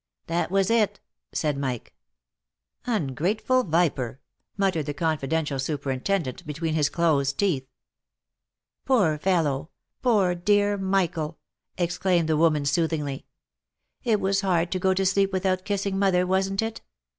"That was it," said Mike. 61 Ungrateful viper !" muttered the confidential superintendent between his closed teeth. "Poor fellow! poor dear Michael!" exclaimed the woman, soothingly. " It was hard to go to sleep without kissing mother, wasn't it?"